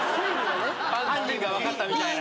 犯人が分かったみたいな。